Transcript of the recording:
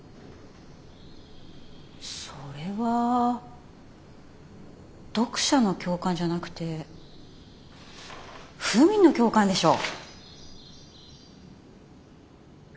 それは読者の共感じゃなくてフーミンの共感でしょ？